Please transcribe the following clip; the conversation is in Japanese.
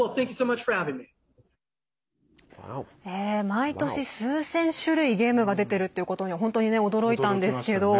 毎年、数千種類ゲームが出てるっていうことに本当に驚いたんですけど。